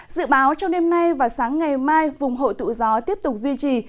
dự báo trong đêm nay và sáng ngày mai vùng hội tụ gió tiếp tục duy trì